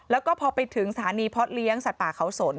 แล้วก็พอไปถึงสถานีเพาะเลี้ยงสัตว์ป่าเขาสน